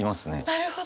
なるほど。